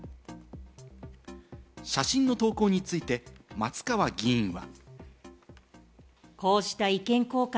写真の投稿について、松川議員は。